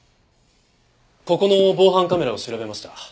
ここの防犯カメラを調べました。